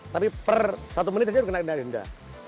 tapi per satu menit dia sudah kena denda